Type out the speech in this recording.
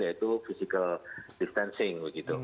yaitu physical distancing